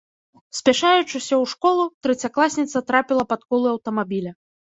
Спяшаючыся ў школу, трэцякласніца трапіла пад колы аўтамабіля.